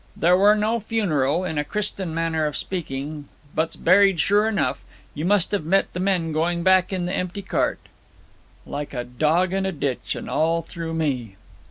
'There wer no funeral, in a Christen manner of speaking. But's buried, sure enough. You must have met the men going back in the empty cart.' 'Like a dog in a ditch, and all through me!'